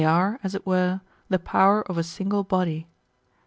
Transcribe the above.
1 1 1 tliej are, as it were, the power of a single body.